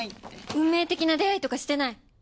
運命的な出会いとかしてない？